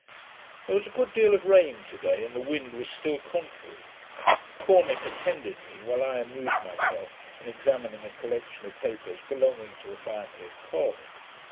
There was a good deal of rain to day, and the wind was still contrary. Corneck attended me, while I amused myself in examining a collection of papers belonging to the family of Col.